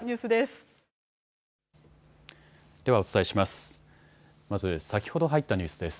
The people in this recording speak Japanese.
ではお伝えします。